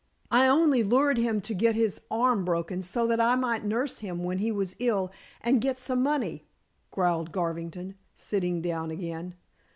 "I only lured him to get his arm broken so that I might nurse him when he was ill and get some money," growled Garvington, sitting down again.